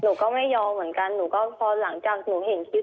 หนูก็ไม่ยอมเหมือนกันหนูก็พอหลังจากหนูเห็นคลิป